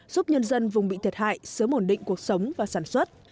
giúp nhân dân vùng bị thiệt hại sớm ổn định cuộc sống và sản xuất